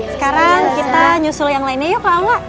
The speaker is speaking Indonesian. sekarang kita nyusul yang lainnya yuk kalau gak